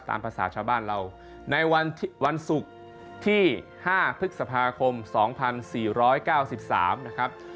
ตามภาษาชาวบ้านเราในวันศุกร์ที่๕พฤษภาคม๒๔๙๓นะครับ